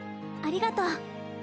ありがとう。